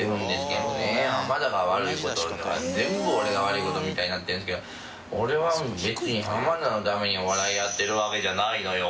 浜田が悪い事いうのは全部俺が悪い事みたいになってるんですけど俺は別に浜田のためにお笑いやってるわけじゃないのよ